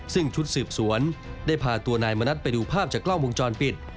ซึ่งชุดสืบสวนได้พาตัวนายมณัฐไปดูภาพจากกล้องวงจรปิด